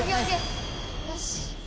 よし！